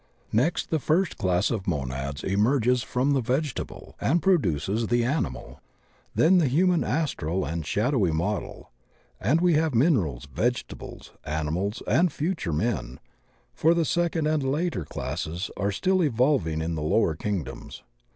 Next the first class of Mo nads emerges from the vegetable and produces the animal, then the human astral and shadowy model, and we have minerals, vegetables, animals and future men, for the second and later classes are still evolving in the lower kingdoms.